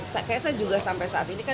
saya juga sampai saat ini kan